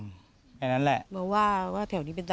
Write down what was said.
ไม่อยากให้มองแบบนั้นจบดราม่าสักทีได้ไหม